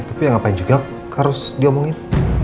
tapi ya ngapain juga harus diomongin